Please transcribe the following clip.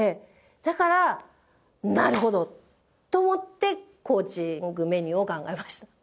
だからなるほど！と思ってコーチングメニューを考えました。